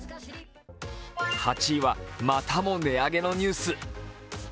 ８位は、またも値上げのニュース。